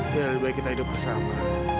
ya lebih baik kita hidup bersama